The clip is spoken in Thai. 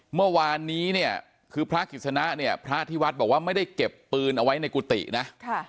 เมื่อวานนี้เนี่ยคือพระกิจสนะเนี่ยพระที่วัดบอกว่าไม่ได้เก็บปืนเอาไว้ในกุฏินะ